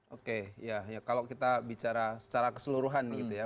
oke ya kalau kita bicara secara keseluruhan gitu ya